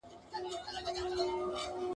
د بادار په حلواګانو وي خوشاله !.